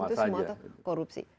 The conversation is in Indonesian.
itu semua korupsi